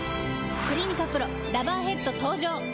「クリニカＰＲＯラバーヘッド」登場！